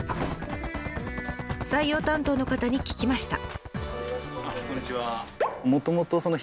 採用担当の方に聞きました。